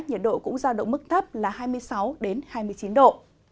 nhiệt độ cũng giao động mức thấp là hai mươi sáu hai mươi chín độ